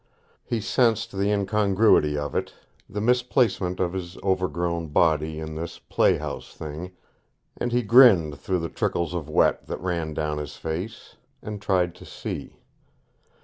He sensed the incongruity of it, the misplacement of his overgrown body in this playhouse thing, and he grinned through the trickles of wet that ran down his face, and tried to see.